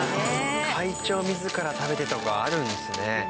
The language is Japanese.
会長自ら食べてとかあるんですね。